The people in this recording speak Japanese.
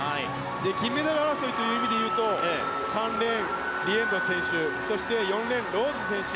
金メダル争いという意味でいうと３レーン、リエンド選手そして４レーン、ローズ選手。